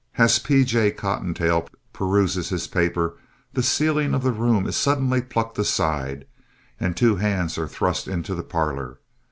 As P. J. Cottontail peruses his paper the ceiling of the room is suddenly plucked aside and two hands are thrust into the parlor.